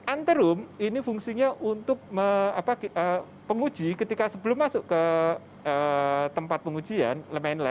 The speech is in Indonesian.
anterrum ini fungsinya untuk penguji ketika sebelum masuk ke tempat pengujian